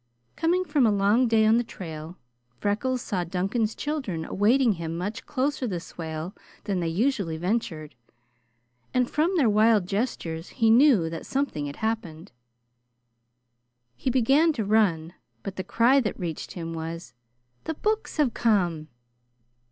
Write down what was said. Coming from a long day on the trail, Freckles saw Duncan's children awaiting him much closer the swale than they usually ventured, and from their wild gestures he knew that something had happened. He began to run, but the cry that reached him was: "The books have come!"